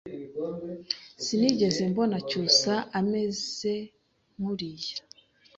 Sinigeze mbona Cyusa ameze nkuriya.